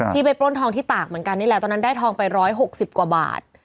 ไปปล้นทองที่ตากเหมือนกันนี่แหละตอนนั้นได้ทองไป๑๖๐กว่าบาท